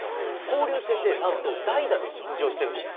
交流戦でなんと、代打で出場してるんです。